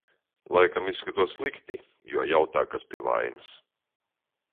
Laikam izskatos slikti, jo jautā, kas vainas.